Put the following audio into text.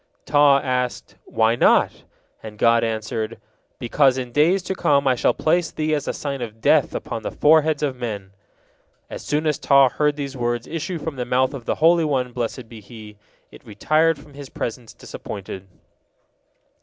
Taw asked, "Why not?" and God answered: "Because in days to come I shall place thee as a sign of death upon the foreheads of men." As soon as Taw heard these words issue from the mouth of the Holy One, blessed be He, it retired from His presence disappointed.